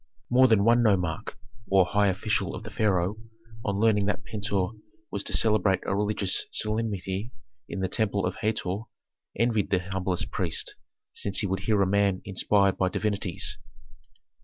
More than one nomarch, or high official of the pharaoh, on learning that Pentuer was to celebrate a religious solemnity in the temple of Hator, envied the humblest priest, since he would hear a man inspired by divinities.